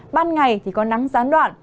ban ngày thì có nắng gián đoạn